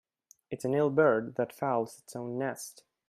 It's an ill bird that fouls its own nest.